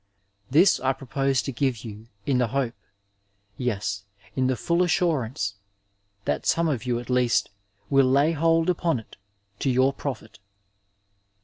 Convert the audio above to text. This I propose to give you in the hope, yes, in the full assurance, that some of you at least will lay hold upon it to your profit.